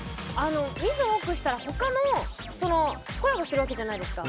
味噌を多くしたらコラボしてるわけじゃないですか。